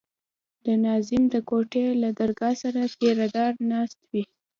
د ناظم د کوټې له درګاه سره پيره دار ناست وي.